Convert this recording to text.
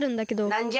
なんじゃい？